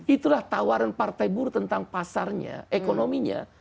itulah tawaran partai buruh tentang pasarnya ekonominya